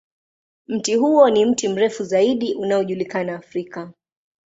Mti huo ni mti mrefu zaidi unaojulikana Afrika.